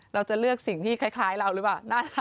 เราจะเลือกสิ่งที่คล้ายเราหรือเปล่า